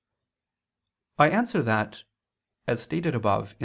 I answer that, As stated above (A.